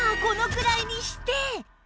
このくらいにして